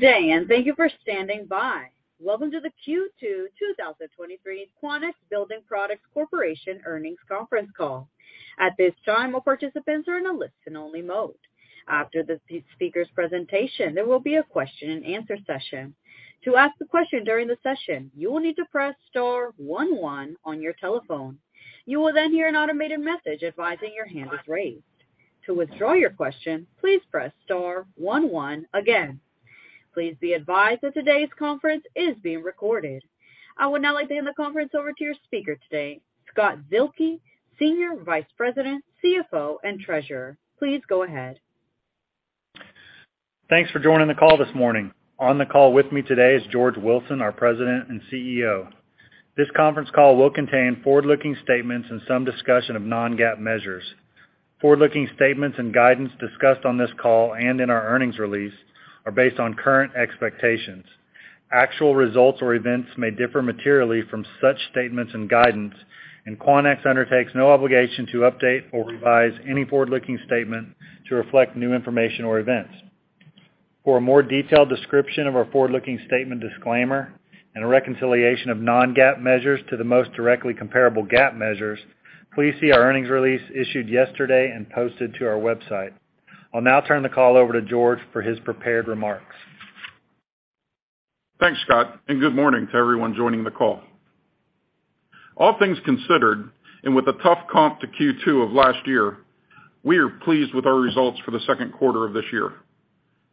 Good day, thank you for standing by. Welcome to the Q2 2023 Quanex Building Products Corporation Earnings Conference Call. At this time, all participants are in a listen-only mode. After the speakers presentation, there will be a question-and-answer session. To ask a question during the session, you will need to press star one one your telephone. You will then hear an automated message advising your hand is raised. To withdraw your question, please press star one one again. Please be advised that today's conference is being recorded. I would now like to hand the conference over to your speaker today, Scott Zuehlke, Senior Vice President, CFO, and Treasurer. Please go ahead. Thanks for joining the call this morning. On the call with me today is George Wilson, our President and CEO. This conference call will contain forward-looking statements and some discussion of non-GAAP measures. Forward-looking statements and guidance discussed on this call and in our earnings release are based on current expectations. Actual results or events may differ materially from such statements and guidance, and Quanex undertakes no obligation to update or revise any forward-looking statement to reflect new information or events. For a more detailed description of our forward-looking statement disclaimer and a reconciliation of non-GAAP measures to the most directly comparable GAAP measures, please see our earnings release issued yesterday and posted to our website. I'll now turn the call over to George for his prepared remarks. Thanks, Scott. Good morning to everyone joining the call. All things considered, and with a tough comp to Q2 of last year, we are pleased with our results for the second quarter of this year.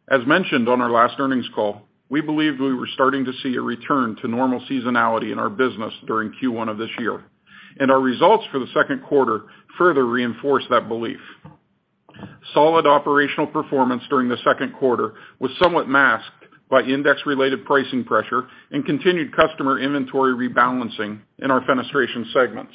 As mentioned on our last earnings call, we believed we were starting to see a return to normal seasonality in our business during Q1 of this year, and our results for the second quarter further reinforce that belief. Solid operational performance during the second quarter was somewhat masked by index-related pricing pressure and continued customer inventory rebalancing in our fenestration segments.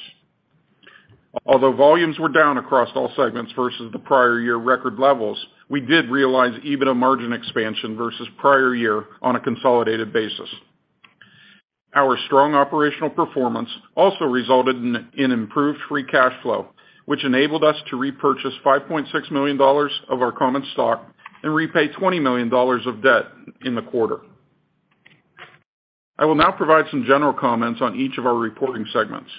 Although volumes were down across all segments versus the prior year record levels, we did realize EBITDA margin expansion versus prior year on a consolidated basis. Our strong operational performance also resulted in improved free cash flow, which enabled us to repurchase $5.6 million of our common stock and repay $20 million of debt in the quarter. I will now provide some general comments on each of our reporting segments.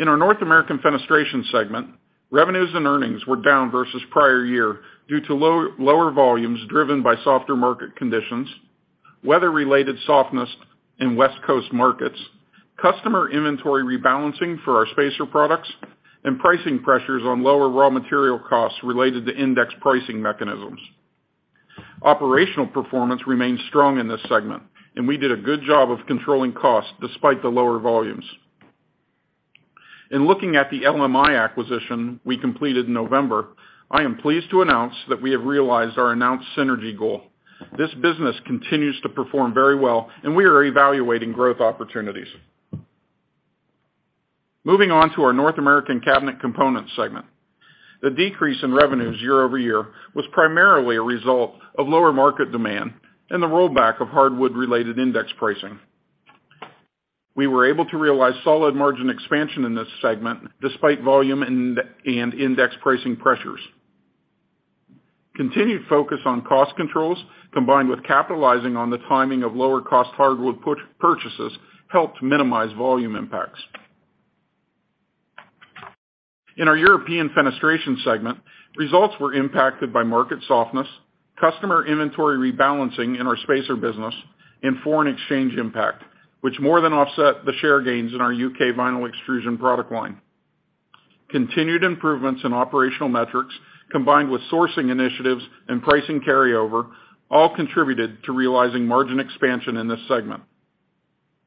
In our North American Fenestration segment, revenues and earnings were down versus prior year due to lower volumes, driven by softer market conditions, weather-related softness in West Coast markets, customer inventory rebalancing for our spacer products, and pricing pressures on lower raw material costs related to index pricing mechanisms. Operational performance remained strong in this segment, and we did a good job of controlling costs despite the lower volumes. In looking at the LMI acquisition we completed in November, I am pleased to announce that we have realized our announced synergy goal. This business continues to perform very well. We are evaluating growth opportunities. Moving on to our North American Cabinet Components segment. The decrease in revenues year-over-year was primarily a result of lower market demand and the rollback of hardwood-related index pricing. We were able to realize solid margin expansion in this segment despite volume and index pricing pressures. Continued focus on cost controls, combined with capitalizing on the timing of lower-cost hardwood purchases, helped minimize volume impacts. In our European Fenestration segment, results were impacted by market softness, customer inventory rebalancing in our spacer business, and foreign exchange impact, which more than offset the share gains in our U.K. vinyl extrusion product line. Continued improvements in operational metrics, combined with sourcing initiatives and pricing carryover, all contributed to realizing margin expansion in this segment.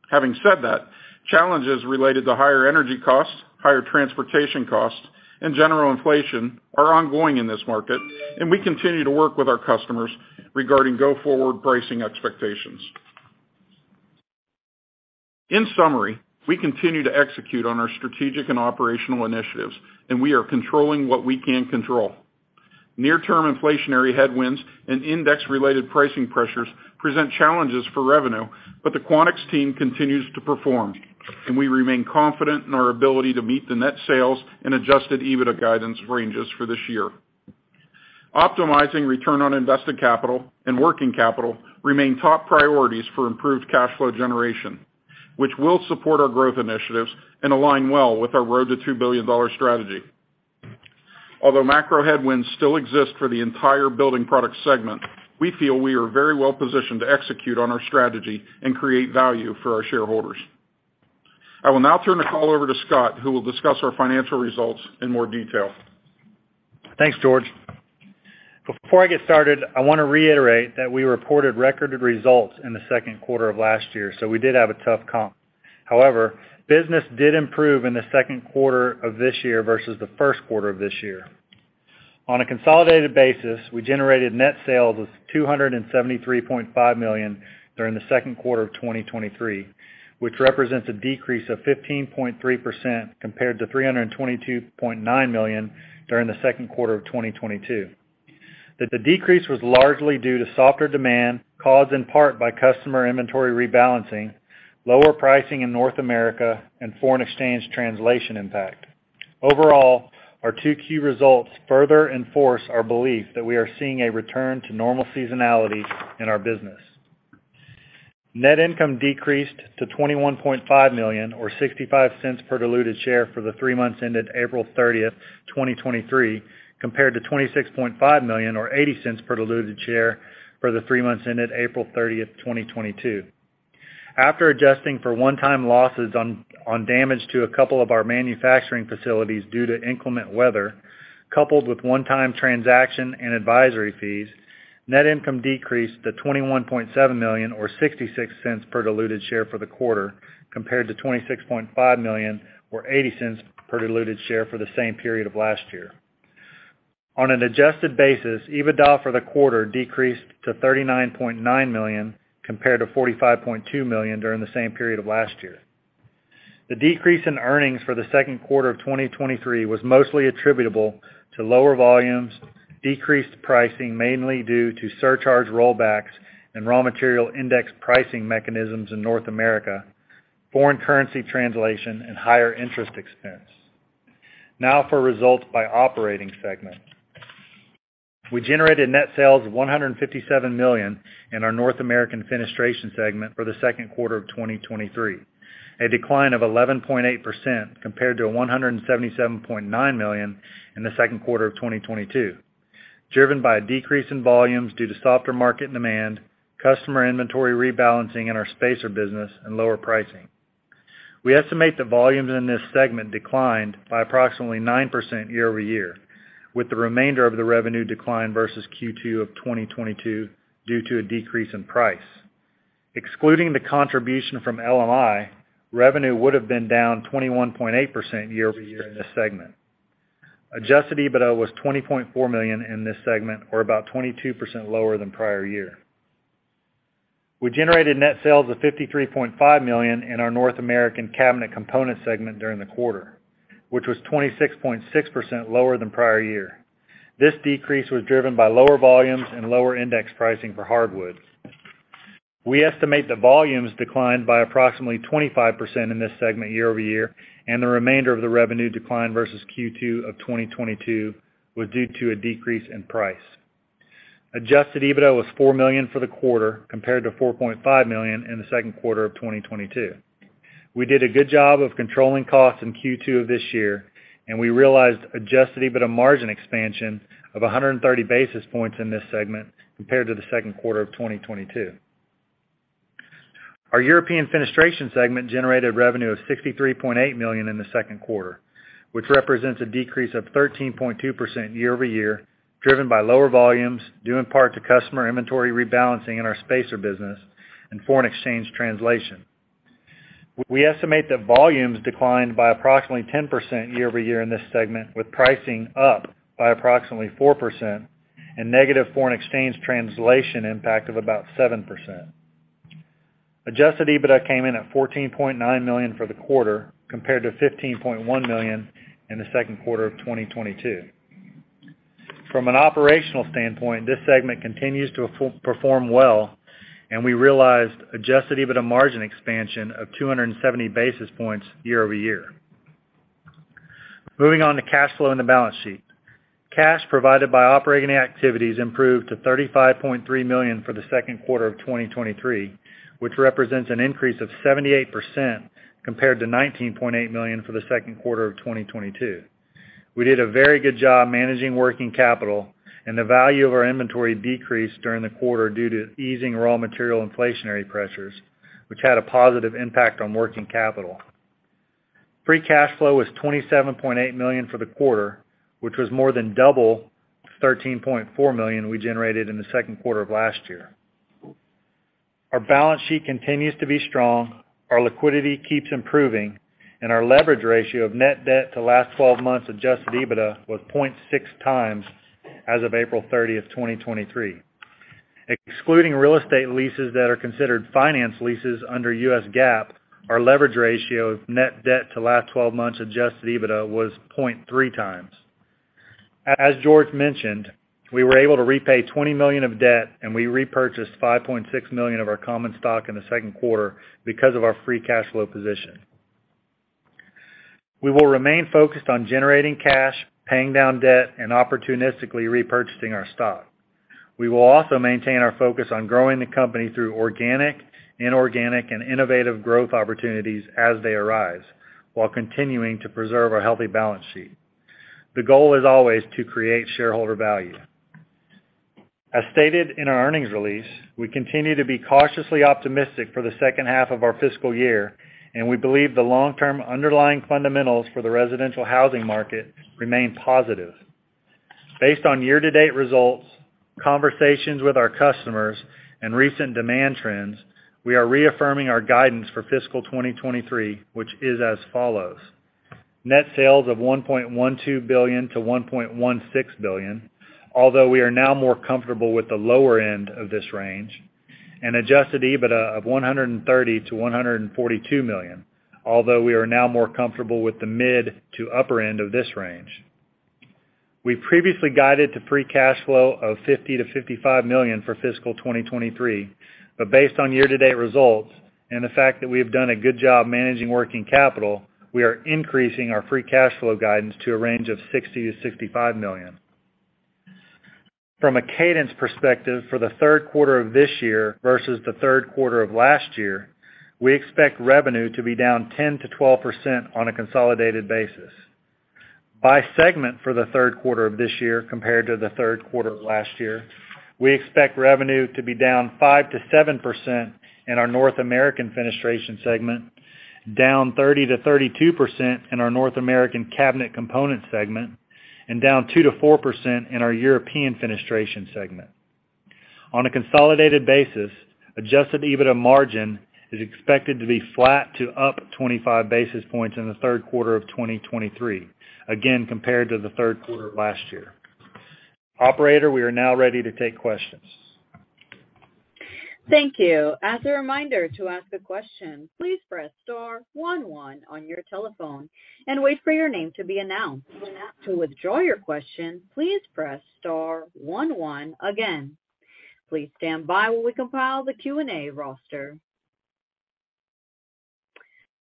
Having said that, challenges related to higher energy costs, higher transportation costs, and general inflation are ongoing in this market, and we continue to work with our customers regarding go-forward pricing expectations. In summary, we continue to execute on our strategic and operational initiatives, and we are controlling what we can control. Near-term inflationary headwinds and index-related pricing pressures present challenges for revenue, but the Quanex team continues to perform, and we remain confident in our ability to meet the net sales and adjusted EBITDA guidance ranges for this year. Optimizing return on invested capital and working capital remain top priorities for improved cash flow generation, which will support our growth initiatives and align well with our Road to two billion dollar strategy. Although macro headwinds still exist for the entire building product segment, we feel we are very well positioned to execute on our strategy and create value for our shareholders. I will now turn the call over to Scott, who will discuss our financial results in more detail. Thanks, George. Before I get started, I want to reiterate that we reported recorded results in the second quarter of last year. We did have a tough comp. However, business did improve in the second quarter of this year versus the first quarter of this year. On a consolidated basis, we generated net sales of $273.5 million during the second quarter of 2023, which represents a decrease of 15.3% compared to $322.9 million during the second quarter of 2022. The decrease was largely due to softer demand, caused in part by customer inventory rebalancing, lower pricing in North America, and Foreign Exchange Translation impact. Overall, our two key results further enforce our belief that we are seeing a return to normal seasonality in our business. Net income decreased to $21.5 million, or $0.65 per diluted share, for the three months ended April 30th, 2023, compared to $26.5 million, or $0.80 per diluted share, for the three months ended April 30th, 2022. After adjusting for one-time losses on damage to a couple of our manufacturing facilities due to inclement weather, coupled with one-time transaction and advisory fees, net income decreased to $21.7 million or $0.66 per diluted share for the quarter, compared to $26.5 million or $0.80 per diluted share for the same period of last year. On an adjusted basis, EBITDA for the quarter decreased to $39.9 million, compared to $45.2 million during the same period of last year. The decrease in earnings for the second quarter of 2023 was mostly attributable to lower volumes, decreased pricing, mainly due to surcharge rollbacks and raw material index pricing mechanisms in North America, foreign currency translation, and higher interest expense. Now for results by operating segment. We generated net sales of $157 million in our North American Fenestration segment for the second quarter of 2023, a decline of 11.8% compared to a $177.9 million in the second quarter of 2022, driven by a decrease in volumes due to softer market demand, customer inventory rebalancing in our spacer business, and lower pricing. We estimate the volumes in this segment declined by approximately 9% year-over-year, with the remainder of the revenue decline versus Q2 of 2022 due to a decrease in price. Excluding the contribution from LMI, revenue would have been down 21.8% year-over-year in this segment. Adjusted EBITDA was $20.4 million in this segment, or about 22% lower than prior year. We generated net sales of $53.5 million in our North American Cabinet Components segment during the quarter, which was 26.6% lower than prior year. This decrease was driven by lower volumes and lower index pricing for hardwoods. We estimate the volumes declined by approximately 25% in this segment year-over-year, and the remainder of the revenue decline versus Q2 of 2022 was due to a decrease in price. Adjusted EBITDA was $4 million for the quarter, compared to $4.5 million in the second quarter of 2022. We did a good job of controlling costs in Q2 of this year, we realized adjusted EBITDA margin expansion of 130 basis points in this segment compared to the second quarter of 2022. Our European Fenestration segment generated revenue of $63.8 million in the second quarter, which represents a decrease of 13.2% year-over-year, driven by lower volumes, due in part to customer inventory rebalancing in our spacer business and foreign exchange translation. We estimate that volumes declined by approximately 10% year-over-year in this segment, with pricing up by approximately 4% and negative foreign exchange translation impact of about 7%. Adjusted EBITDA came in at $14.9 million for the quarter, compared to $15.1 million in the second quarter of 2022. From an operational standpoint, this segment continues to perform well. We realized adjusted EBITDA margin expansion of 270 basis points year-over-year. Moving on to cash flow and the balance sheet. Cash provided by operating activities improved to $35.3 million for the second quarter of 2023, which represents an increase of 78% compared to $19.8 million for the second quarter of 2022. We did a very good job managing working capital. The value of our inventory decreased during the quarter due to easing raw material inflationary pressures, which had a positive impact on working capital. Free cash flow was $27.8 million for the quarter, which was more than double the $13.4 million we generated in the second quarter of last year. Our balance sheet continues to be strong, our liquidity keeps improving, and our leverage ratio of net debt to last twelve months adjusted EBITDA was 0.6x as of April 30, 2023. Excluding real estate leases that are considered finance leases under US GAAP, our leverage ratio of net debt to last twelve months adjusted EBITDA was 0.3x. As George mentioned, we were able to repay $20 million of debt, and we repurchased $5.6 million of our common stock in the second quarter because of our free cash flow position. We will remain focused on generating cash, paying down debt, and opportunistically repurchasing our stock. We will also maintain our focus on growing the company through organic, inorganic, and innovative growth opportunities as they arise, while continuing to preserve a healthy balance sheet. The goal is always to create shareholder value. As stated in our earnings release, we continue to be cautiously optimistic for the second half of our fiscal year, and we believe the long-term underlying fundamentals for the residential housing market remain positive. Based on year-to-date results, conversations with our customers, and recent demand trends, we are reaffirming our guidance for fiscal 2023, which is as follows: Net sales of $1.12 billion-$1.16 billion, although we are now more comfortable with the lower end of this range. Adjusted EBITDA of $130 million-$142 million, although we are now more comfortable with the mid to upper end of this range. We previously guided to free cash flow of $50 million-$55 million for fiscal 2023. Based on year-to-date results and the fact that we have done a good job managing working capital, we are increasing our free cash flow guidance to a range of $60 million-$65 million. From a cadence perspective, for the third quarter of this year versus the third quarter of last year, we expect revenue to be down 10%-12% on a consolidated basis. By segment for the third quarter of this year compared to the third quarter of last year, we expect revenue to be down 5%-7% in our North American Fenestration segment, down 30%-32% in our North American Cabinet Components segment, and down 2%-4% in our European Fenestration segment. On a consolidated basis, adjusted EBITDA margin is expected to be flat to up 25 basis points in the third quarter of 2023, again, compared to the third quarter of last year. Operator, we are now ready to take questions. Thank you. As a reminder, to ask a question, please press star one one on your telephone and wait for your name to be announced. To withdraw your question, please press star one one again. Please stand by while we compile the Q&A roster.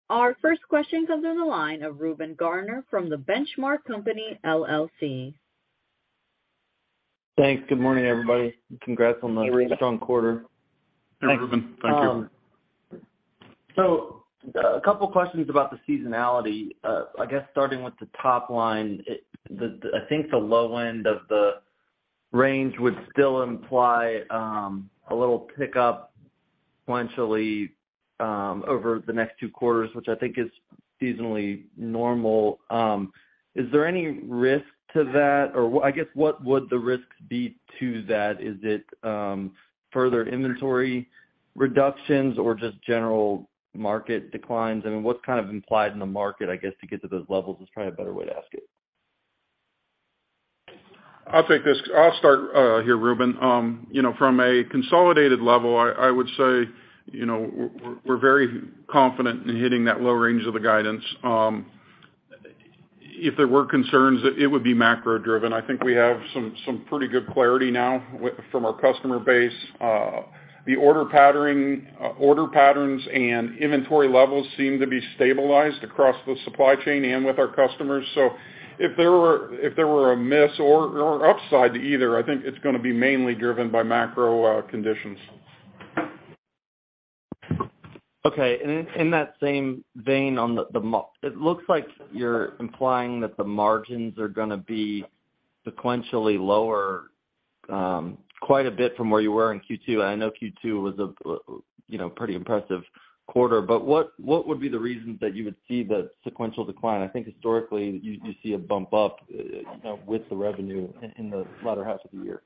Our first question comes on the line of Reuben Garner from The Benchmark Company, LLC. Thanks. Good morning, everybody, and congrats on the strong quarter. Hey, Reuben. Thank you. A couple of questions about the seasonality. I guess starting with the top line, I think the low end of the range would still imply a little pickup sequentially over the next two quarters, which I think is seasonally normal. Is there any risk to that? Or, I guess, what would the risks be to that? Is it further inventory reductions or just general market declines? I mean, what's kind of implied in the market, I guess, to get to those levels is probably a better way to ask it. I'll take this. I'll start here, Reuben. You know, from a consolidated level, I would say, you know, we're very confident in hitting that low range of the guidance. If there were concerns, it would be macro-driven. I think we have some pretty good clarity now from our customer base. The order patterning, order patterns and inventory levels seem to be stabilized across the supply chain and with our customers. If there were a miss or upside to either, I think it's gonna be mainly driven by macro conditions. Okay. In that same vein, on the it looks like you're implying that the margins are gonna be sequentially lower, quite a bit from where you were in Q2, and I know Q2 was a, you know, pretty impressive quarter. What would be the reasons that you would see that sequential decline? I think historically, you see a bump up, you know, with the revenue in the latter half of the year.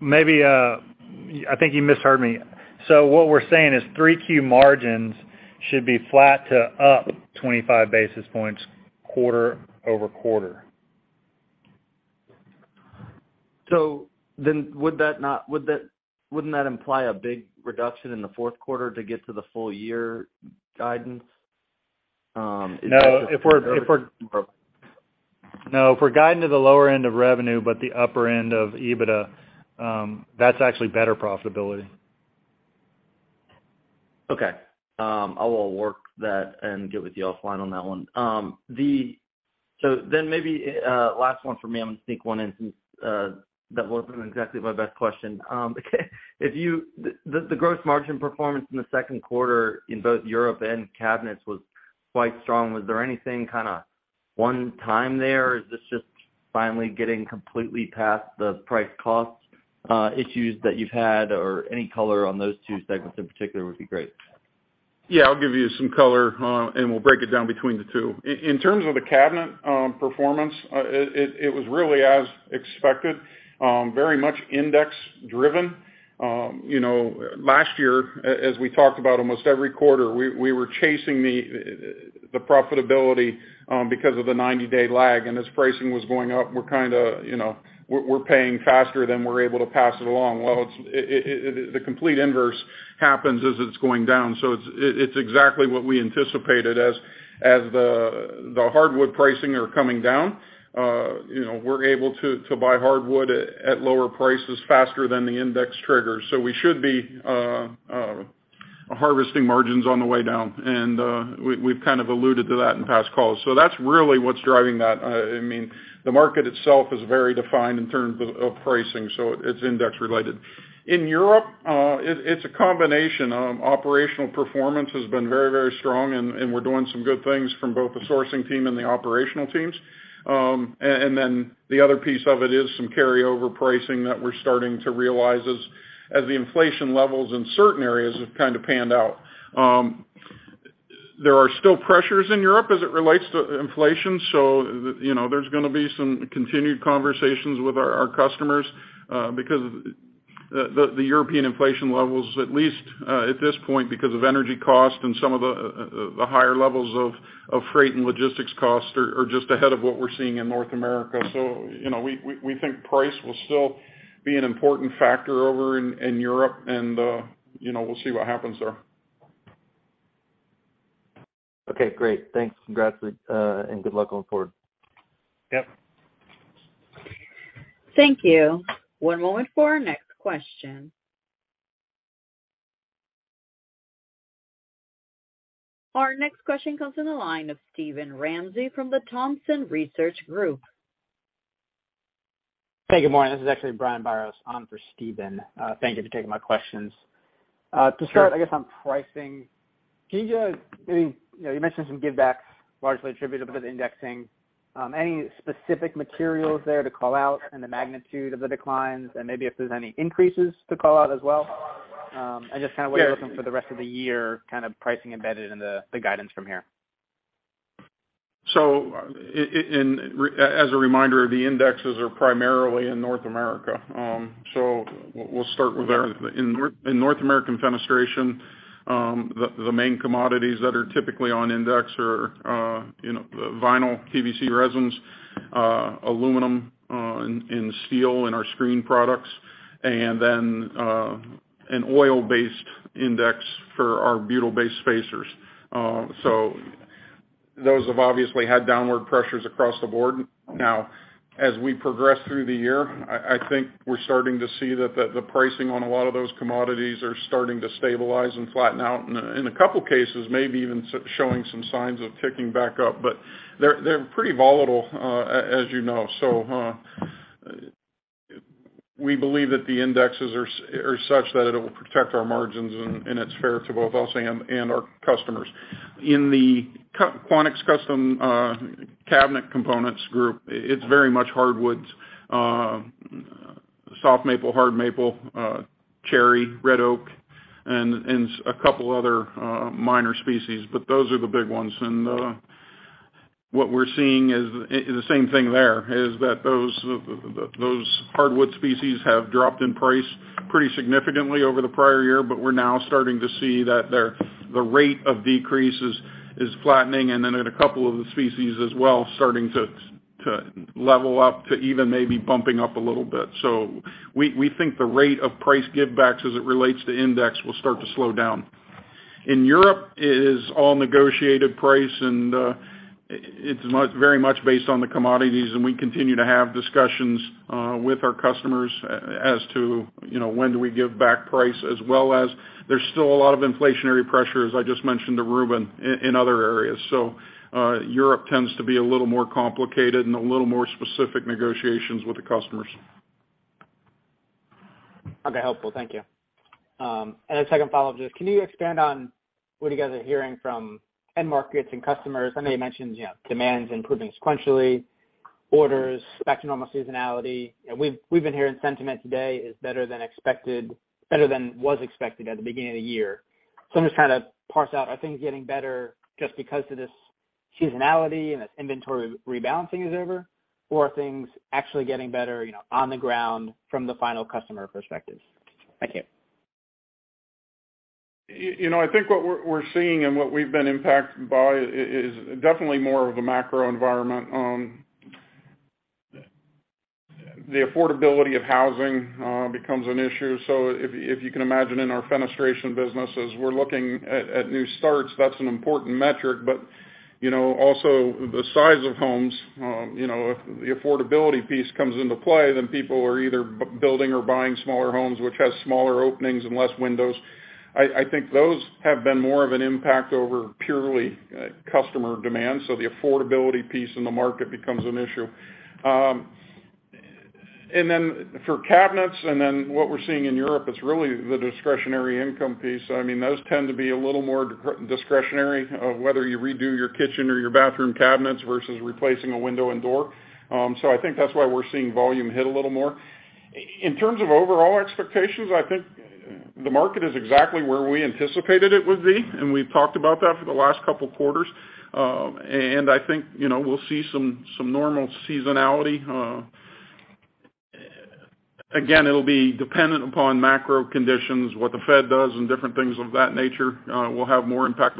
maybe, I think you misheard me. What we're saying is 3Q margins should be flat to up 25 basis points, quarter-over-quarter. Wouldn't that imply a big reduction in the fourth quarter to get to the full year guidance? No, if we're guiding to the lower end of revenue, but the upper end of EBITDA, that's actually better profitability. Okay. I will work that and get with you offline on that one. Maybe, last one for me, I'm going to sneak one in since that wasn't exactly my best question. The gross margin performance in the second quarter in both Europe and Cabinets was quite strong. Was there anything kind of one-time there, or is this just finally getting completely past the price cost issues that you've had, or any color on those two segments in particular would be great? Yeah, I'll give you some color, and we'll break it down between the two. In terms of the Cabinet, performance, it was really as expected, very much index driven. You know, last year, as we talked about almost every quarter, we were chasing the profitability, because of the 90-day lag. As pricing was going up, we're kind of, you know, we're paying faster than we're able to pass it along. Well, the complete inverse happens as it's going down, so it's exactly what we anticipated. As the hardwood pricing are coming down, you know, we're able to buy hardwood at lower prices faster than the index triggers. We should be harvesting margins on the way down, and we've kind of alluded to that in past calls. That's really what's driving that. I mean, the market itself is very defined in terms of pricing, so it's index related. In Europe, it's a combination. Operational performance has been very strong, and we're doing some good things from both the sourcing team and the operational teams. The other piece of it is some carryover pricing that we're starting to realize as the inflation levels in certain areas have kind of panned out. There are still pressures in Europe as it relates to inflation. You know, there's gonna be some continued conversations with our customers, because the European inflation levels, at least, at this point, because of energy cost and some of the higher levels of freight and logistics costs are just ahead of what we're seeing in North America. You know, we think price will still be an important factor over in Europe, and, you know, we'll see what happens there. Okay, great. Thanks. Congrats, and good luck going forward. Yep. Thank you. One moment for our next question. Our next question comes in the line of Steven Ramsey from the Thompson Research Group. Hey, good morning. This is actually Brian Biros on for Steven. Thank you for taking my questions. To start, I guess, on pricing, can you, maybe, you know, you mentioned some givebacks largely attributable to the indexing. Any specific materials there to call out and the magnitude of the declines, and maybe if there's any increases to call out as well? I just kind of way looking for the rest of the year, kind of pricing embedded in the guidance from here. As a reminder, the indexes are primarily in North America. We'll start with that. In North American Fenestration, the main commodities that are typically on index are, you know, vinyl, PVC resins, aluminum, and steel in our screen products, and then an oil-based index for our butyl-based spacers. Those have obviously had downward pressures across the board. As we progress through the year, I think we're starting to see that the pricing on a lot of those commodities are starting to stabilize and flatten out, in a couple cases, maybe even showing some signs of ticking back up. They're pretty volatile, as you know. We believe that the indexes are such that it will protect our margins, and it's fair to both us and our customers. In the Quanex Custom Cabinet Components group, it's very much hardwoods, Soft Maple, Hard Maple, Cherry, Red Oak, and a couple other minor species, but those are the big ones. What we're seeing is the same thing there, is that those Hardwood species have dropped in price pretty significantly over the prior year, but we're now starting to see that their, the rate of decrease is flattening, and then in a couple of the species as well, starting to level up, to even maybe bumping up a little bit. We think the rate of price givebacks as it relates to index will start to slow down. In Europe, it is all negotiated price and it's very much based on the commodities, and we continue to have discussions with our customers as to, you know, when do we give back price, as well as there's still a lot of inflationary pressure, as I just mentioned to Reuben, in other areas. Europe tends to be a little more complicated and a little more specific negotiations with the customers. Okay, helpful. Thank you. A second follow-up just, can you expand on what you guys are hearing from end markets and customers? I know you mentioned, you know, demands improving sequentially, orders back to normal seasonality. We've been hearing sentiment today is better than was expected at the beginning of the year. I'm just trying to parse out, are things getting better just because of this seasonality and this inventory rebalancing is over? Or are things actually getting better, you know, on the ground from the final customer perspectives? Thank you. You know, I think what we're seeing and what we've been impacted by is definitely more of the macro environment. The affordability of housing becomes an issue. If you can imagine in our Fenestration business, as we're looking at new starts, that's an important metric. You know, also the size of homes, you know, if the affordability piece comes into play, people are either building or buying smaller homes, which has smaller openings and less windows. I think those have been more of an impact over purely customer demand, the affordability piece in the market becomes an issue. For cabinets, what we're seeing in Europe, it's really the discretionary income piece. I mean, those tend to be a little more discretionary of whether you redo your kitchen or your bathroom cabinets versus replacing a window and door. I think that's why we're seeing volume hit a little more. In terms of overall expectations, I think the market is exactly where we anticipated it would be, and we've talked about that for the last couple of quarters. I think, you know, we'll see some normal seasonality. Again, it'll be dependent upon macro conditions, what the Fed does, and different things of that nature, will have more impact.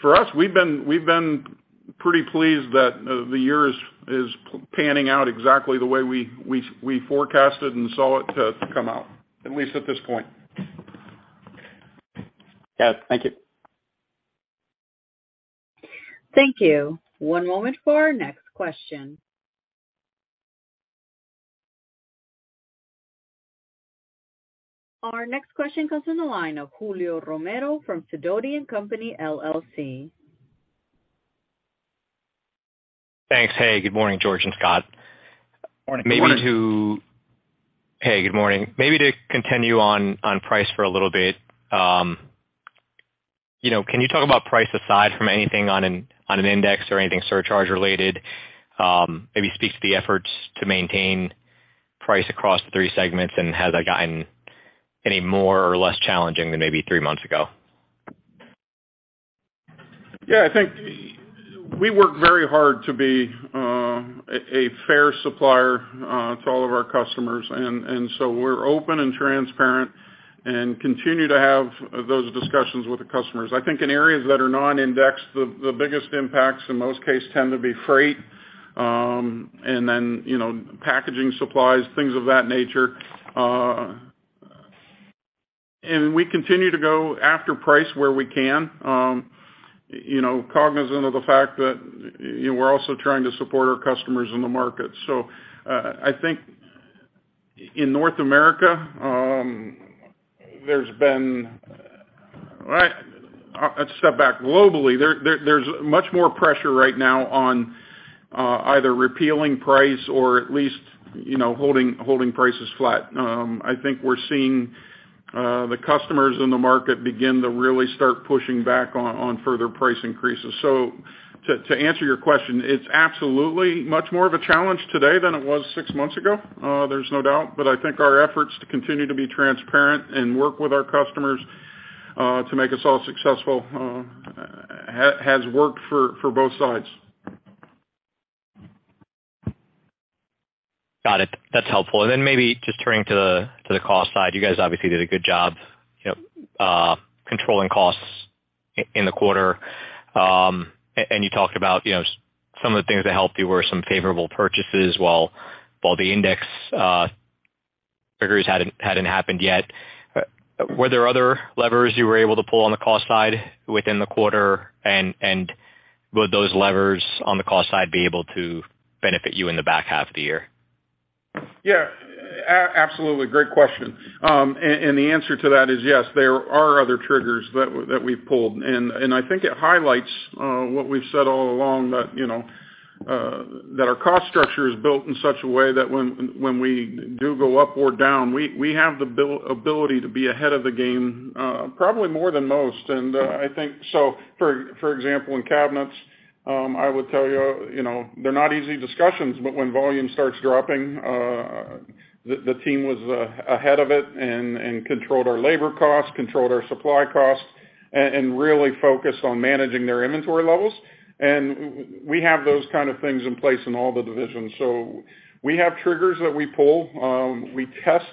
For us, we've been pretty pleased that, the year is panning out exactly the way we forecasted and saw it to come out, at least at this point. Got it. Thank you. Thank you. One moment for our next question. Our next question comes in the line of Julio Romero from Sidoti & Company, LLC. Thanks. Hey, good morning, George and Scott. Morning. Good morning. Hey, good morning. Maybe to continue on price for a little bit. You know, can you talk about price aside from anything on an index or anything surcharge related? Maybe speak to the efforts to maintain price across the three segments, and has that gotten any more or less challenging than maybe three months ago? Yeah, I think we work very hard to be a fair supplier to all of our customers, and so we're open and transparent and continue to have those discussions with the customers. I think in areas that are non-indexed, the biggest impacts in most cases tend to be freight, and then, you know, packaging, supplies, things of that nature. We continue to go after price where we can, you know, cognizant of the fact that, you know, we're also trying to support our customers in the market. I think in North America, let's step back. Globally, there's much more pressure right now on either repealing price or at least, you know, holding prices flat. I think we're seeing the customers in the market begin to really start pushing back on further price increases. To answer your question, it's absolutely much more of a challenge today than it was six months ago, there's no doubt. I think our efforts to continue to be transparent and work with our customers to make us all successful has worked for both sides. Got it. That's helpful. Maybe just turning to the cost side. You guys obviously did a good job, you know, controlling costs in the quarter. You talked about, you know, some of the things that helped you were some favorable purchases, while the index figures hadn't happened yet. Were there other levers you were able to pull on the cost side within the quarter? Would those levers on the cost side be able to benefit you in the back half of the year? Yeah, absolutely. Great question. And, and the answer to that is yes, there are other triggers that we've pulled, and I think it highlights what we've said all along, that, you know, that our cost structure is built in such a way that when we do go up or down, we have the ability to be ahead of the game, probably more than most. I think so, for example, in cabinets, I would tell you know, they're not easy discussions, but when volume starts dropping, the team was ahead of it and controlled our labor costs, controlled our supply costs, and really focused on managing their inventory levels. We have those kind of things in place in all the divisions. We have triggers that we pull. We test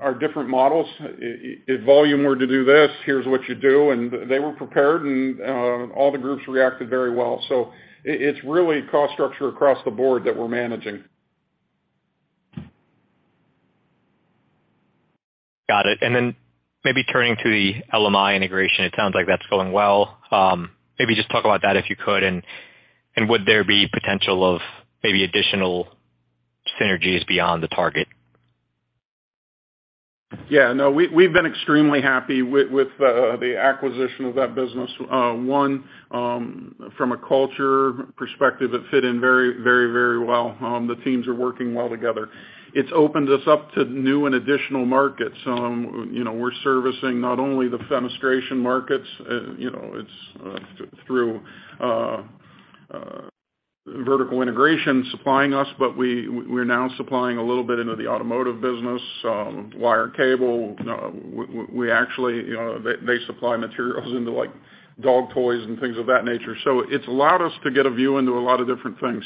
our different models. If volume were to do this, here's what you do. They were prepared, and all the groups reacted very well. It's really cost structure across the board that we're managing. Got it. Then maybe turning to the LMI integration, it sounds like that's going well. Maybe just talk about that, if you could, and would there be potential of maybe additional synergies beyond the target? Yeah. No, we've been extremely happy with the acquisition of that business. One, from a culture perspective, it fit in very, very, very well. The teams are working well together. It's opened us up to new and additional markets. You know, we're servicing not only the fenestration markets, you know, it's through vertical integration supplying us, but we're now supplying a little bit into the automotive business, wire and cable. We actually, you know, they supply materials into, like, dog toys and things of that nature. It's allowed us to get a view into a lot of different things.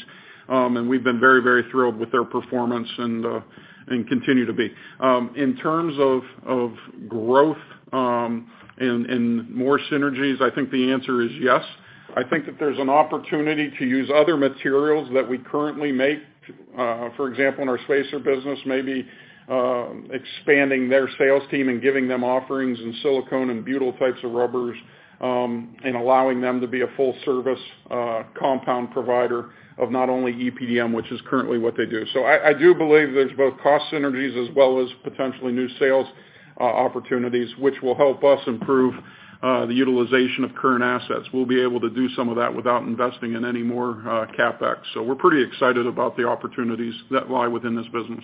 We've been very, very thrilled with their performance and continue to be. In terms of growth, and more synergies, I think the answer is yes. I think that there's an opportunity to use other materials that we currently make, for example, in our spacer business, maybe, expanding their sales team and giving them offerings in silicone and butyl types of rubbers, and allowing them to be a full service, compound provider of not only EPDM, which is currently what they do. I do believe there's both cost synergies as well as potentially new sales, opportunities, which will help us improve, the utilization of current assets. We'll be able to do some of that without investing in any more, CapEx. We're pretty excited about the opportunities that lie within this business.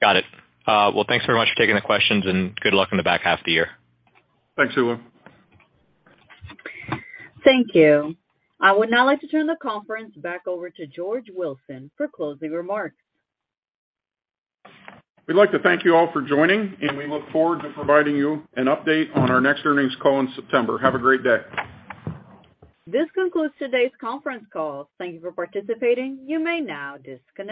Got it. Well, thanks very much for taking the questions, and good luck in the back half of the year. Thanks, Julio. Thank you. I would now like to turn the conference back over to George Wilson for closing remarks. We'd like to thank you all for joining. We look forward to providing you an update on our next earnings call in September. Have a great day. This concludes today's conference call. Thank you for participating. You may now disconnect.